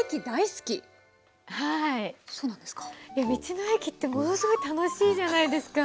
道の駅ってものすごい楽しいじゃないですか。